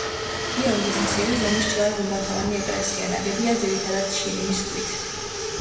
გიორგის მცირე ზომის ჯვარ-გუმბათოვანი ეკლესია, ნაგებია ძირითადად შირიმის ქვით.